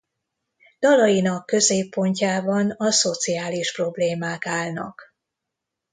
Dalainak középpontjában a szociális problémák állnak.